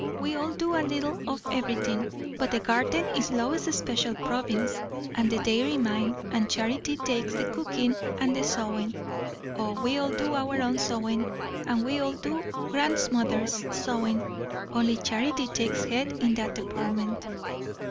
We all do a little of everything; but the garden is Lois's special province, and the dairy mine, and Charity takes the cooking and the sewing. O, we all do our own sewing, and we all do grandmother's sewing; only Charity takes head in that department."